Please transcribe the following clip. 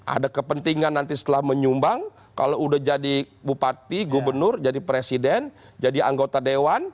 ada kepentingan nanti setelah menyumbang kalau udah jadi bupati gubernur jadi presiden jadi anggota dewan